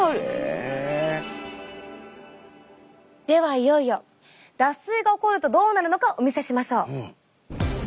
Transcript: いよいよ脱水が起こるとどうなるのかお見せしましょう。